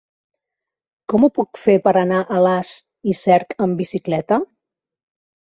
Com ho puc fer per anar a Alàs i Cerc amb bicicleta?